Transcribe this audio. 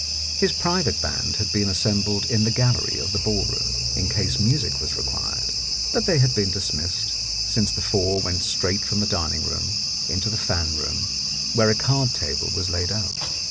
His private band had been assembled in the gallery of the ballroom, in case music was required, but they had been dismissed, since the four went straight from the dining room into the fan room, where a card table was laid out.